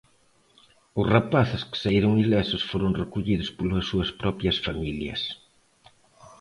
Os rapaces, que saíron ilesos, foron recollidos polas súas propias familias.